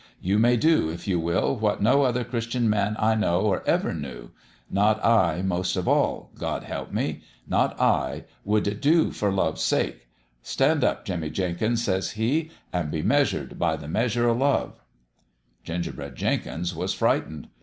You may do, if you will, what no other Christian man I know or ever knew not I, most of all, God help 208 That MEASURE of LOVE me ! not I would do for Love's sake. Stand up, Jimmie Jenkins/ says he, ' an' be measured by the measure o' Love 1 '" Gingerbread Jenkins was frightened.